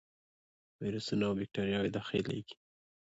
ویروسونه او باکتریاوې داخليږي.